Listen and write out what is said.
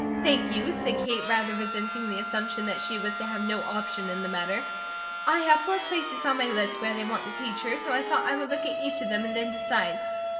"Thank you," said Kate, rather resenting the assumption that she was to have no option in the matter. "I have four places on my list where they want the teacher, so I thought I would look at each of them and then decide."